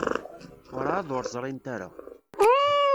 Werɛad ur ẓrint ara.